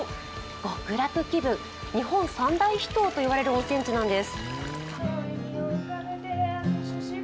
極楽気分、日本三大秘湯と呼ばれる温泉地なんです。